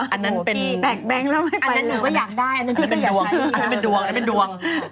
อันนั้นเป็นอันนั้นเป็นดวงอันนั้นเป็นดวงอันนั้นเป็นดวง